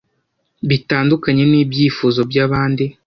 Bitandukanye n’ibyifuzo by’abandi